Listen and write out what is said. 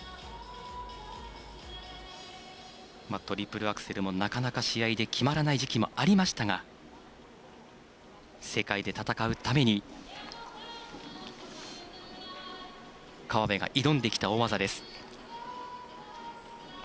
トリプルアクセルもなかなか試合で決まらない時期もありましたが世界で戦うために河辺が挑んできた大技です。